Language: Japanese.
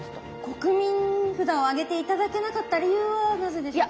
「国民に」札を上げて頂けなかった理由はなぜでしょうか。